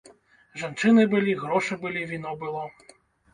Жанчыны былі, грошы былі, віно было.